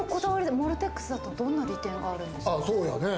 モールテックスだと、どんな利点があるんですか？